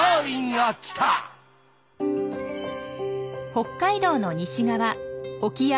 北海道の西側沖合